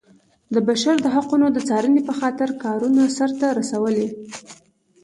د بشر د حقونو د څارنې په خاطر کارونه سرته رسولي.